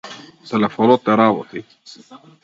Телефонот не работи.